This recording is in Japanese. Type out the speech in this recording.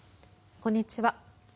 こんにちは。